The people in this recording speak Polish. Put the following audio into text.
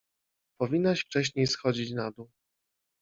Powinnaś wcześniej schodzić na dół.